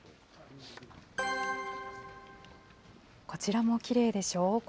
こちらもきれいでしょう。